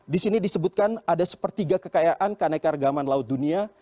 di sini disebutkan ada sepertiga kekayaan karena ikan regaman laut dunia